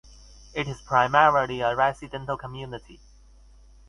It is primarily a residential community.